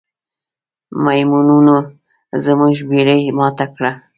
میمونونو زموږ بیړۍ ماته کړه.